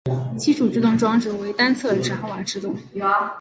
基础制动装置为单侧闸瓦制动。